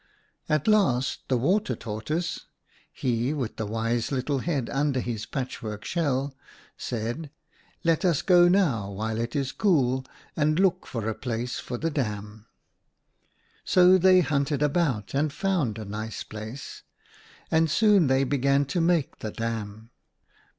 " At last the Water Tortoise — he with the wise little head under his patchwork shell — 92 OUTA KAREL/S STORIES said, c Let us go now while it is cool, and look for a place for the dam.' " So they hunted about and found a nice place, and soon they began to make the dam.